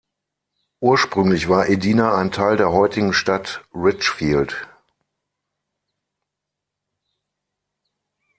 Ursprünglich war Edina ein Teil der heutigen Stadt Richfield.